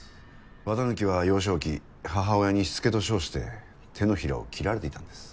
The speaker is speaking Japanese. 綿貫は幼少期母親にしつけと称して手のひらを切られていたんです。